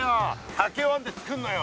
竹をあんで作んのよ。